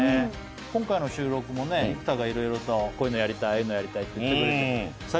今回の収録も生田がいろいろとこういうのやりたいって言ってくれて。